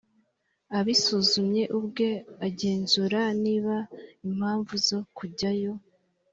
Abisuzumye ubwe agenzura niba impamvu zo kujyayo